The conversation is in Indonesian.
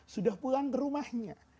sudah pulang ke rumahnya